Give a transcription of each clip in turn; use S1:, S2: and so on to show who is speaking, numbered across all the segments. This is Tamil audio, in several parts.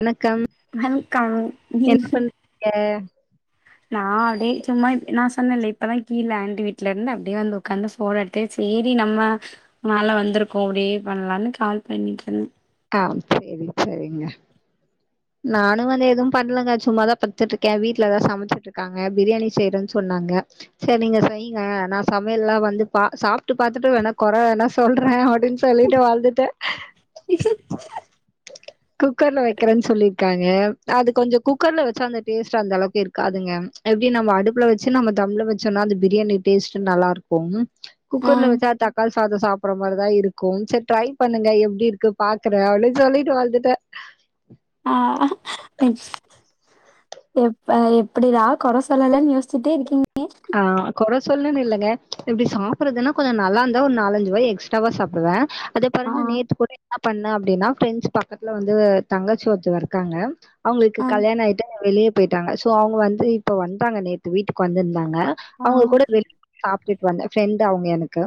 S1: வணக்கம்
S2: வணக்கம் நீ
S1: ங்க
S2: நா அப்டியே சும்மா இ நா சொன்னல்ல இப்பதா கீழ ஆண்டி வீட்ல இருந்து அப்டியே வந்து உட்காந்து ஃபோன் அடி ட்டு சேரி நம்ம மேல வந்துருக்கோ அப்டியே பண்லான்னு கால் பண்ணிட்டு இருந்த
S1: ஆ சேரி சேரிங்க நானு வந்து எதுவு பண்லங்க சும்மாதா படுத்துட்டு இருக்கே வீட்ல எல்லா சமச்சிட்டு இருக்காங்க பிரியாணி செய்றன்னு சொன்னாங்க சேரி நீங்க செய்ங்க நா சமயல்லா வந்து பா சாப்ட்டு பாத்துட்டு வேணா கொற வேணா சொல்ற அப்டின்னு சொல்ட்டு வந்துட்ட
S2: இச
S1: [unintelligible] குக்கர்ல வைக்கறன்னு சொல்லிருக்காங்க அது கொஞ்சோ குக்கர்ல வச்சா அந்த டேஸ்ட் அந்த அளவுக்கு இருக்காதுங்க எப்டி நம்ம அடுப்புல வச்சு நம்ம தம்ல வச்சோன்னா அந்த பிரியாணி டேஸ்ட் நல்லா இருக்கு
S2: ஆ
S1: குக்கர்ல வச்சா தக்காளி சாதம் சாப்பட்ற மாரிதா இருக்கு சேரி ட்ரை பண்ணுங்க எப்டி இருக்கு பாக்ற அப்டின்னு சொல்லிட்டு வந்துட்ட
S2: ஆ எப்ப எப்டிடா கொற சொல்லலானு யோசிச்சிட்டே இருக்கீங்
S1: ஆ கொற சொல்னுன்னு இல்லைங்க எப்டி சாப்புட்றதுன்னா கொஞ்சோ நல்லா இருந்தா ஒரு நாலஞ்சு வாய் எக்ஸ்ட்ராவா சாப்டுவ அதே
S2: ஆ
S1: பாருங்க நேத்து கூட என்ன பண்ண அப்டின்னா ஃப்ரெஞ்ச் பக்கத்துல வந்து தங்கச்சி ஒருத்தவ இருக்காங்க அவங்களுக்கு
S2: ஆ
S1: கல்யாண ஆயிட்டு வெளிய போயிட்டாங்க சோ அவங்க வந்து இப்ப வந்தாங்க நேத்து வீட்டுக்கு வந்துருந் ங்க
S2: ஆ
S1: அவுங்க கூட வெளி சாப்ட்டுட்டு வந்த ஃப்ரெண்டு அவுங்க எனக்கு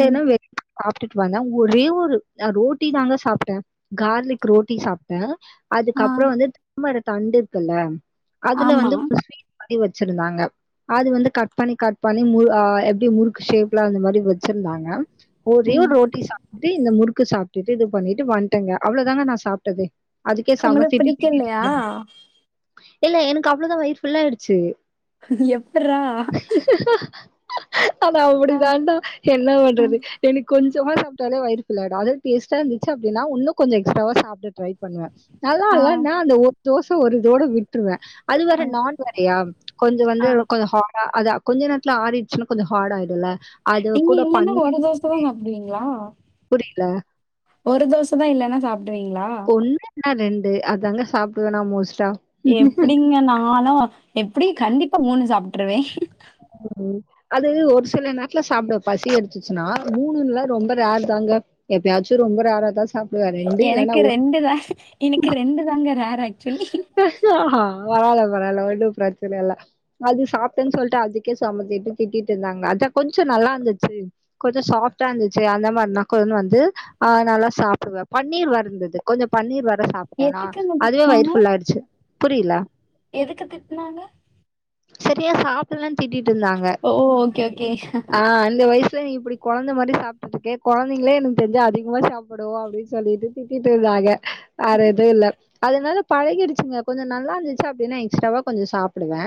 S2: ம்
S1: வே சாப்ட்டுட்டு வந்த ஒரே ஒரு அ ரோட்டி தாங்க சாப்ட கார்லிக் ரோட்டி சாப்ட
S2: ஆ
S1: அதுக்கப்றோ வந்து தாமர தண்டு இர்க்குல அதுல
S2: ஆமா
S1: வந்து [inaudible] மாரி வச்சிருந்தாங்க அது வந்து கட் பண்ணி கட் பண்ணி முறு ஆ எப்டி முறுக்கு ஷேப்ல அந்த மாரி வச்சிருந்தாங்க ஒரே ஒரு
S2: ம்
S1: ரோட்டி சாப்பிட் இந்த முறுக்கு சாப்ட்டுட்டு இது பண்ணிட்டு வன்ட்டங்க அவ்வளோதாங்க நா சாப்ட்டது அதுக்கே
S2: உங்களுக்கு
S1: செமதிட்டு
S2: பிடிக்கலையா
S1: திட்டிட்டுருந்தாங்க இல்ல எனக்கு அவ்ளோதா வயிற் ஃபுல்லா ஆயிருச்சு
S2: எப்புரா
S1: அது அப்டி
S2: ஆ
S1: தான்ண்டா என்ன
S2: ஆ
S1: பண்றது எனக் கொஞ்சமா சாப்ட்டலே வயிறு ஃபுல் ஆயிடு அதது டேஸ்ட்டா இருந்துச்சு அப்டின்னா உன்னோ கொஞ்சோ எக்ஸ்ட்வா சாப்டுட்டு ட்ரை பண்ணுவே
S2: ஆ
S1: நல்லால்லனா அந்த ஒரு தோச ஒரு இதோட விட்டுருவே அது
S2: ஆ
S1: வேற நான் வேறைய கொஞ்சோ வந்து
S2: ஆ
S1: ஹாட அது கொஞ்ச நேரத்து ஆறிச்சுன்னா கொஞ்சோ ஹாட ஆய்டுல்ல
S2: நீங்க இல்லன்னா ஒரு தோச தா சாப்டுவிங்களா
S1: புரியில
S2: ஒரு தோச தா இல்லைன்னா சாப்டுவீங்களா
S1: ஒன்னு இல்னா ரெண்டு அதங்க சாப்டுவ நா மோஸ்ட்டா
S2: எப்டிங்க நாளா எப்டி கண்டிப்பா மூணு சாப்ட்டுருவே
S1: ம் ம் அது ஒரு சில நேர்த்ல சாப்டுவ பசி எடுத்துச்சுனா மூணுல ரொம்ப ரேர் தாங்க எப்பயாச்சு ரொம்ப ரேராதா சாப்
S2: எனக்கே ரெண்டு தா எனக்கு ரெண்டுதாங்க ரேர் ஆக்சுவலி
S1: பரவால பரவால ஒன்னு ப்ரச்சன இல்ல அது சாப்ட்ட சொல்ட்டு அதுக்கே செமத்திட்டு திட்டிட்டுருந்தாங்க அதா கொஞ்சோ நல்லாருந்துச்சு கொஞ்சோ சாஃட்டா இருந்துச்சு அந்த மாரினா [unintelligible] வந்து ஆ நல்லா சாப்டுவ பன்னீர் வேறந்துது கொஞ்சோ பன்னீர் வேற சாப்
S2: எதுக்குங்க திட்னாங்க
S1: [unintelligible] புரியில
S2: எதுக்கு திட்னாங்க
S1: செரியா சாப்புலனு திட்டிட்ருந்தாங்க
S2: ஓ ஓகே ஓகே
S1: ஆ இந்த வயசுல நீ இப்டி கொழந்த மாரி சாப்ட்ருக்கே கொழந்தங்களே எனக்கு தெஞ்சு அதிகமா சாப்டு அப்டினு சொல்ட்டு திட்டிட்ருந்தாக வேற எது இல்ல அதுனால பழகிடுச்சுங்க கொஞ்சோ நல்லாருந்துச்சு அப்டினா எக்ஸ்ட்ராவா கொஞ்சோ சாப்புடுவ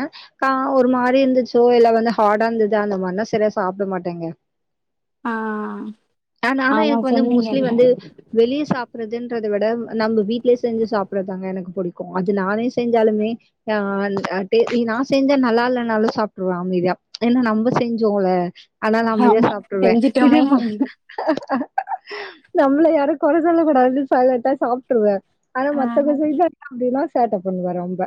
S1: கா ஒரு மாரி இருந்துச்சு இல்ல வந்து ஹாடா இருந்துது அந்த மாரினா சரியா சாப்ட மாட்டேங்க
S2: ஆ
S1: ஆ நான
S2: ஆமா
S1: எனக்கு வந்து மோஸ்லி
S2: சொன்னீங்கல்ல
S1: வந்து வெளிய சாப்பறதுன்றது விட நம்ப வீட்லயே செஞ்சு சாப் புறதாங்க எனக்கு புடிக்கு அது நானே செஞ்சாலுமே ஆ அந்த டே இது நா செஞ்சா நல்லா இல்லனாலு சாப்ட்ருவ அமைதியா ஏனா நம்ப செஞ்சோல அதுனால நா அமைதியா
S2: ஆமா
S1: சாப்ட்ருவே இதே
S2: செஞ்சுட்டோமே
S1: மா நம்மள யாரு கொறசொல்ல கூடாதுனு சைலன்டா சாப்ட்ருவ ஆனா
S2: ஆ
S1: மத் தவங்க [inaudible] அப்டினா சேட்டப் பண்ணுவே ரொம்ப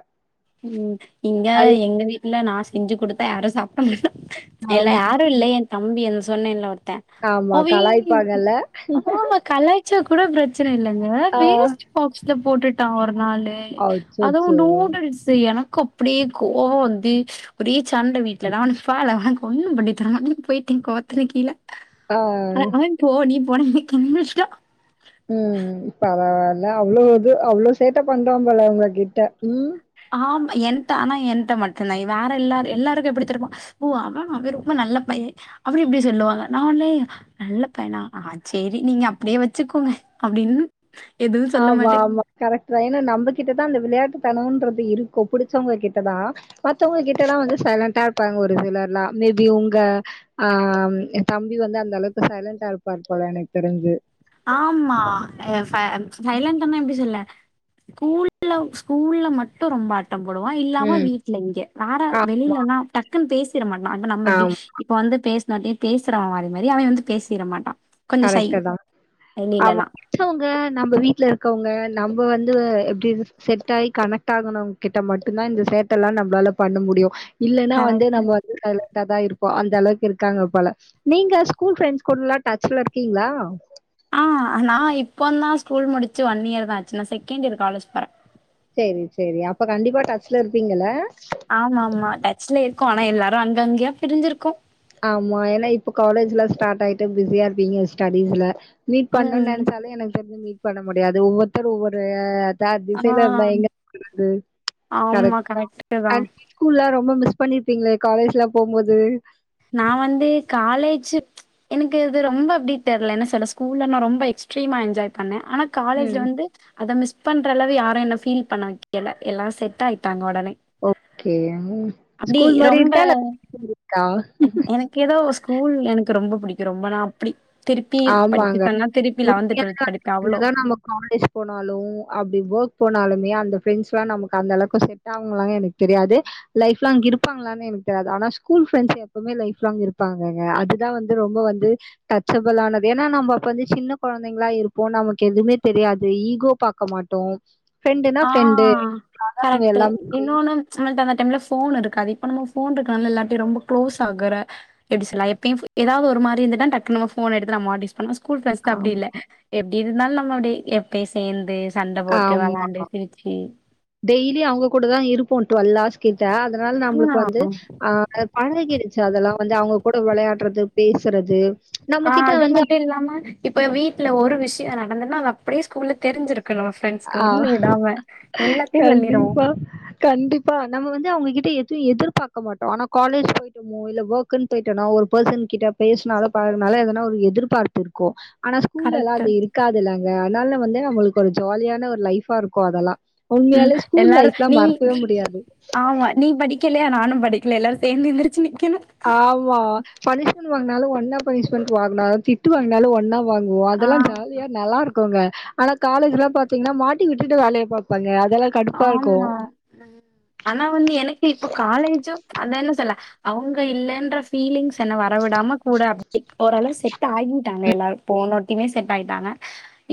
S2: ம் இங்க
S1: அது
S2: எங்க வீட்ல நா செஞ்சு குடுத்தா யாரு சாப்ட மாட்ட எல்ல
S1: ஆமா
S2: யாரு இல்ல என் தம்பி அதே சொன்னேல்ல ஒருத்த
S1: ஆமா
S2: அவி
S1: கலாய்ப்பாங்கல்ல.
S2: ஆ கலாய்க் ச்ச கூட ப்ரச்சன இல்லங்க
S1: ஆ
S2: வேஸ்ட் பாக்ஸ்ல போட்டுட்டா ஒரு நாளு அதுவு
S1: அச்சச்சோ!
S2: நூடுல்ஸ் எனக்கு அப்டியே கோவ வந்து ஒரே சண்ட வீட்ல நா உன்னே போல ஒன்னும் பண்ணி தர மாட்டே போயிட்டே கோவத்துல கீழ
S1: ஆ
S2: அ அவன் போ நீ போனான்னே [unintelligible]
S1: ம் ம் பரவால்ல அவ்ளோ இது அவ்ளோ சேட்ட பண்றா போல உங்ககிட்ட ம்
S2: ஆமா எண்ட ஆனா என்ட்ட மட்டும்தா வேற எல்லா எல்லாருக்கு எப்டிதெரிமா ஓ அதானா அங்கருக்கும்போ நல்ல பைய அப்டி இப்டி சொல்லுவாங்க நா உடனே நல்ல பையனா ஆ சேரி நீங்க அப்டியே வச்சுக்கோங்க அப்டின்னு எதுவும் சொல்ல
S1: ஆமா
S2: மாட்டே.
S1: ஆமா கரெக்ட்டு தா ஏனா நம்ம கிட்டதா அந்த விளையாட்டுத்தனம்ன்றது இருக்கும் புடிச்சவங்க கிட்டதா மத்தவங்க கிட்டலா வந்து சைலண்டா இருப்பாங்க ஒரு சிலர்லா மேபி உங்க ஆ எய தம்பி வந்து அந்த அளவுக்கு சைலண்டா இருப்பாரு போல எனக்கு தெரிஞ்சு
S2: ஆமா ஆ ச சைலண்ட்ன்னா எப்டி சொல்ல ஸ்கூல்ல ஸ்கூல்ல மட்டு ரொம்ப அட் ட்ம் போடுவா இல்லாம
S1: ம்.
S2: வீட்ல இங்க நாடார்
S1: ஆமா,
S2: வெளிலலா டக்குனு பேசிற மாட்டா இப்ப நம்ம எப்டி
S1: ஆமா.
S2: இப்ப வந்து பேசணோன்ட்டே பேசிடாமாரி மாரி அவ வந்து பேசிற மாட்டா
S1: கரெக்ட்டு தா
S2: வெளில்லா
S1: த்தவங்க நம்ப வீட்ல இருக்கவங்க நம்ப வந்து அ எப்டி செட் ஆயி கனெக்ட் ணும் கிட்ட மட்டுதா இந்த சேட்டலா நம்ளால பண்ண முடியு இல்லனா வந்து
S2: கரெக்ட்டு.
S1: நம்ம வந்து கல கதா இருப்பா அந்த அளவுக்கு இருக்காங்க போல நீங்க ஸ்கூல் ஃப்ண்ட்ஸ் கூடலா டச் ல இருக்கீங்களா
S2: ஆ நா இப்போ தா ஸ்கூல் முடிச்சு ஒன் இயர் தா ஆச்சு நா செகண்ட் இயர் காலேஜ் போற
S1: செரி சேரி அப்ப கண்டிப்பா டச்ல இருப்பீங்கள
S2: ஆமாமா டச்ல இருக்கோ ஆனா எல்லாரு அங்க அங்கயா பிரிஞ்சிருக்கோ
S1: ஆமா ஏனா இப்ப காலேஜ்லா ஸ்டார்ட் ஆய்ட்டு பிஸியா இருப்பீங்க ஸ்டிஸ்ல்ல மீட் பண்ணு
S2: ம்.
S1: நெனச்சாலே எனக்கு சந்து மீட் பண்ண முடியாது ஒவ்வொருத்தரும் ஒவ்வொரு தா
S2: ஆ
S1: திசையில இருந்தா எங்க
S2: ஆமா கரெக்ட்டு தான்.
S1: [unintelligible] ஸ்கூல்ல ரொம்ப மிஸ் பண்ணிருப்பீங்களே காலேஜ்லா போம்போது
S2: நா வந்து காலேஜூ எனக்கு இது ரொம்ப அப்டி தெர்ல என்ன சொல்ல ஸ்கூல நா ரொம்ப எக்ஸ்ட்ரீமாக என்ஜாய் பண்ண ஆனா
S1: ம்
S2: காலேஜ்ல வந்து அத மிஸ் பண்ற அளவு யாரு என்ன ஃபீல் பண்ண வெக்கல எல்லா செட் ஆயிட்டாங்க உடனே
S1: ஓகே ஸ்கூல் மாரி
S2: ரொம்ப
S1: இருக்கா இல்ல கா [unintelligible] மாரி இருக்கா
S2: கெதோ ஸ்கூல் எனக்கு ரொம்ப புடிக்கு ரொம்ப நா அப்டி திருப்பி படிக்க
S1: ஆமாங்க.
S2: சொன்னா திருப்பி லெவன்த் டுவல்த்
S1: ஏன்னா
S2: படிப்ப அவளோ
S1: என்னதான் நம்ம காலேஜ் போனாலு அப்டி ஒர்க் போனாலுமே அந்த ஃப்ரெண்ட்ஸ்லா நமக் அந்த அளவுக்கு செட் ஆகுங்களான்னு எனக்கு தெரியாது லைஃப்லாங் இருப்பாங்களான்னு எனக்கு தெரியாது ஆனா ஸ்கூல் ஃப்ரெண்ட்ஸ் எப்பவுமே லைஃப்லாங் இருப்பாங்கங்க அதுதா வந்து ரொம்ப வந்து டச் சப் பலானது ஏனா நம்போ அப்ப வந்து சின்ன குழந்தைங்களா இருப்போ நமக்கு எதுவுமே தெரியாது ஈகோ பாக்க மாட்டோ ஃப்ரெண்டுனா
S2: ஆ
S1: ஃப்ரெண்டு அத ந எல்லாமே செய்
S2: நம்மல்ட அந்த டைம்ல போன் இருக்காது இப்பலா போன் இருக்கிறனால எல்லாிட்டையு ஆரொம்ப குளோஸ் ஆகுற எப்டி சொல்லா எப்பயு ஏதாவது ஒருமாரி இருந்துனா டக்குன்னு போன் எடுத்து நா மாடிச் ஆனா ஸ்கூல் ஃப்ரெண்ட்ஸ்ட அப்டி
S1: ஆம்
S2: இல்ல எப்டி இருந்தாலு நம்ம அப்டி எப்பயு சேர்ந்து சண்ட போட்டு
S1: ஆமா.
S2: வெளாண்டு [unintelligible]
S1: டெய்லி அவங்க கூட தா இருப்போ டுவல் ஹவர்ஸ் கிட்ட அதனால நம்மளுக்கு
S2: ஆ
S1: வந்து ஆ அ பழகிருச்சு அதெல்லா வந்து அவங்க கூட வெளயாடுறது பேசுறது
S2: ஆ
S1: நம்மகிட்ட
S2: அது
S1: வந்து
S2: மட்டு இல்லாம இப்ப வீட்டுல ஒரு விஷய நடந்தன்னா அது அப்டியே ஸ்கூல்ல தெரிஞ்சிருக்கு பிரண்ட்ஸ்க்கு
S1: ஆ
S2: ஒன்னு விடாம எல்லாத்தையு பண்ணிடுவோ
S1: [unintelligible] கண்டிப்பா நம்ம வந்து அவங்ககிட்ட எது எது எதிர்பார்க்க மாட்டோ ஆனா காலேஜ் போயிட் ஓ இல்ல ஓர்கன்னு போயிட்டனா ஒரு பெர்சன் கிட்ட பேசுனாலோ பழகுனாலோ எதனா ஒரு எதிர்பார்ப்பு இருக்கு ஆனா ஸ்கூல்லலா
S2: கரெக்ட்டு
S1: அது இருக்காது இல்லங்க அதனால வந்து அவங்களுக்கு ஒரு ஜாலியான ஒரு லைஃபா இருக்கு அதெல்லா
S2: ம்
S1: உண்மையாலே ஸ்கூல்
S2: எல்லாரு
S1: லைப்லா
S2: நீ
S1: மறக்கவே முடியாது
S2: ஆமா நீ படி க்கலையா நானும் படிக்கல எல்லாரு சேர்ந்து எந்திரிச்சி நிக்கணு
S1: ஆமா பனிஷ்மெண்ட் வாங்குனாலும் ஒன்னா பனிஷ்மெண்ட் வாங்குனு திட்டு வாங்குனாலும் ஒண்ணா வாங்குவோ
S2: ஆ
S1: அதெல்லா ஜாலியா நல்லா இருக் குங்க ஆனா காலேஜ்லல பாத்தீங்கன்னா மாட்டி விட்டுட்டு வேலய பாப்பாங்க அதெல்லா
S2: ஆமா ஆனா வந்து எனக்கு இப்ப காலேஜும் அத என்ன சொல்ல அவுங்க இல்லன்ற ஃபீலிங்ஸ் என்ன வரவிடாம கூட அப்படி ஓரளவு செட் ஆகிட்டாங் அங்க எல்லாரும் போனோவாட்டியுமே செட் ஆயிட்டாங்க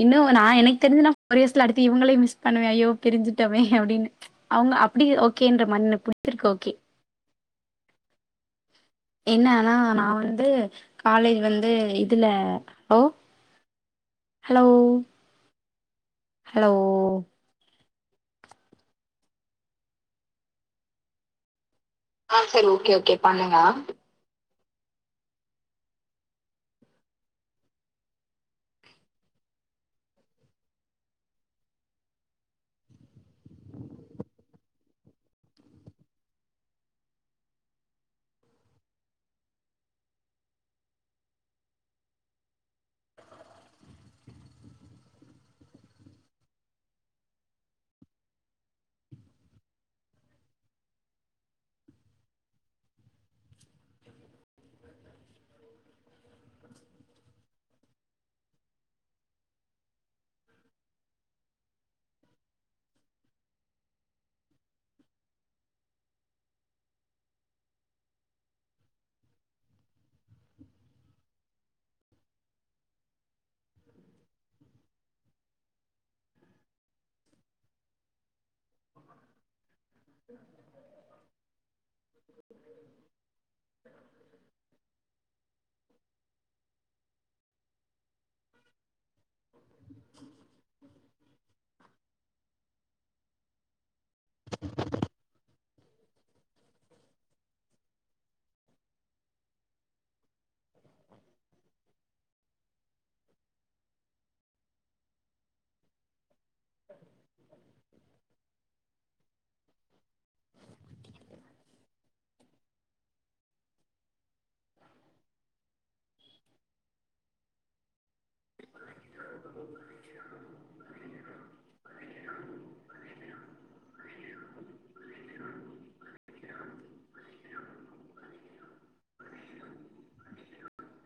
S2: இன்னு நா எனக்கு தெரிஞ்சு நா ஃபோர் இயர்ஸ்ல அடுத்து இவுங்களயு மிஸ் பண்ணுவ ஐயோ பிரிஞ் சிட்டோமே அப்டின்னு அவுங்க அப்டி ஓகேன்ற மண் புடிச்சிருக்கு ஓகே என்னன்னா நா வந்து காலேஜ் வந்து இதுல ஓ ஹலோ ஹலோ ஆ சேரி ஓகே ஓகே பண்ணுங்க